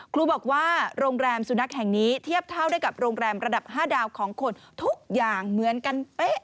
ครูบอกว่าโรงแรมสุนัขแห่งนี้เทียบเท่าได้กับโรงแรมระดับ๕ดาวของคนทุกอย่างเหมือนกันเป๊ะ